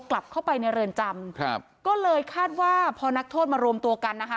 กลับเข้าไปในเรือนจำครับก็เลยคาดว่าพอนักโทษมารวมตัวกันนะคะ